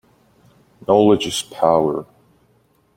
Knowledge is power